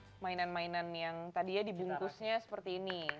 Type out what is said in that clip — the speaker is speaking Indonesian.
dari mainan mainan yang tadi dibungkusnya seperti ini